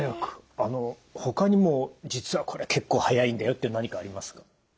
あのほかにも実はこれ結構早いんだよって何かありますか？